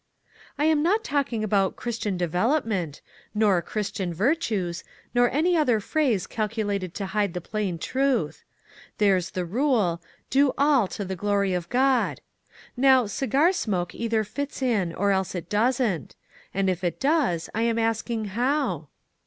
" I'm not talking about ' Christian devel MISS WAINWRIGHT'S "MUDDLE." 35 opment,' nor ' Christian virtues,' nor any other phrase calculated to hide the plain truth. There's . the rule, ' Do all to the glory of God.' Now, cigar smoke either fits in, or else it doesn't; and if it does, I am asking how?"